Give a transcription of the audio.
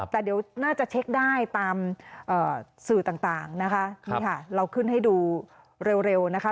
แต่เดี๋ยวน่าจะเช็คได้ตามสื่อต่างนะคะนี่ค่ะเราขึ้นให้ดูเร็วนะคะ